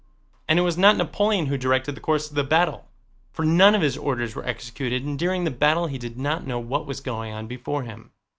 And it was not Napoleon who directed the course of the battle, for none of his orders were executed and during the battle he did not know what was going on before him.